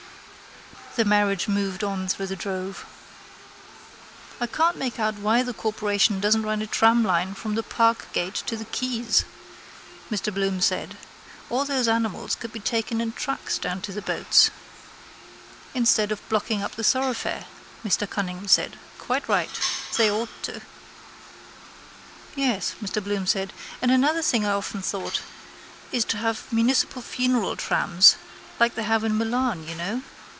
The carriage moved on through the drove. —I can't make out why the corporation doesn't run a tramline from the parkgate to the quays, Mr Bloom said. All those animals could be taken in trucks down to the boats. —Instead of blocking up the thoroughfare, Martin Cunningham said. Quite right. They ought to. —Yes, Mr Bloom said, and another thing I often thought, is to have municipal funeral trams like they have in Milan, you know.